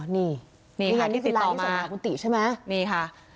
นี่ค่ะนี่ค่ะที่ติดต่อมานี่ค่ะ